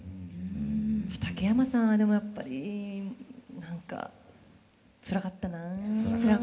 畠山さんはでもやっぱり何かつらかったな。